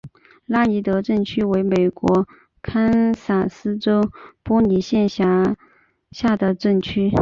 拉尼德镇区为美国堪萨斯州波尼县辖下的镇区。